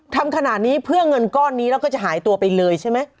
ทำขนาดนี้เพื่อเงินก้อนนี้แล้วก็จะหายตัวไปเลยใช่ไหม